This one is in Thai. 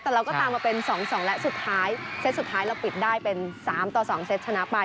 แต่เราก็ตามมาเป็น๒๒และสุดท้ายเซตสุดท้ายเราปิดได้เป็น๓ต่อ๒เซตชนะไป